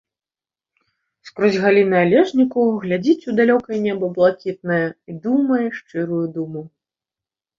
Скрозь галіны алешніку глядзіць у далёкае неба блакітнае і думае шчырую думу.